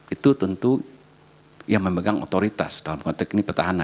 itu tentu yang memegang otoritas dalam konteks ini petahana